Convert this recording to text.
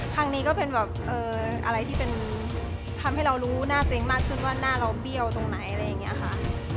ทางนี้ก็เป็นแบบอะไรที่เป็นทำให้เรารู้หน้าตัวเองมากขึ้นว่าหน้าเราเบี้ยวตรงไหนอะไรอย่างนี้ค่ะ